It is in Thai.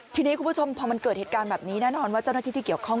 ทีนี้คุณผู้ชมพอมันเกิดเหตุการณ์แบบนี้แน่นอนว่าเจ้าหน้าที่ที่เกี่ยวข้อง